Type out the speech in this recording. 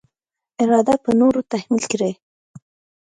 اراده پر نورو تحمیل کړي.